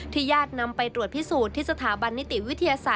ที่ยาดนำไปตรวจพิสูจน์ที่สถาบันนิติวิทยาสาท